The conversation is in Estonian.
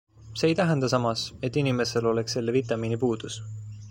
See ei tähenda samas, et inimesel oleks selle vitamiini puudus.